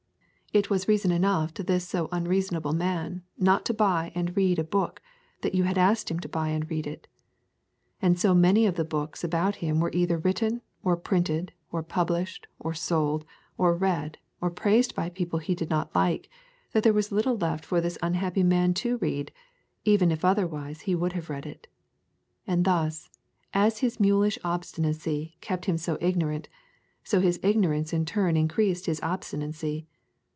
It was reason enough to this so unreasonable man not to buy and read a book that you had asked him to buy and read it. And so many of the books about him were either written, or printed, or published, or sold, or read, or praised by people he did not like, that there was little left for this unhappy man to read, even if otherwise he would have read it. And thus, as his mulish obstinacy kept him so ignorant, so his ignorance in turn increased his obstinacy.